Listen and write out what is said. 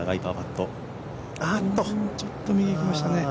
ちょっと右に行きましたね。